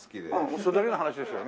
それだけの話ですよね。